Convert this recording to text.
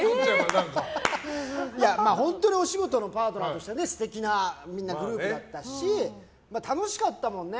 本当にお仕事のパートナーとして素敵なグループだったし楽しかったもんね。